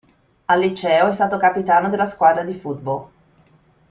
Al liceo è stato capitano della squadra di football.